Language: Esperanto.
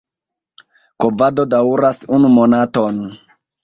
Kovado daŭras unu monaton.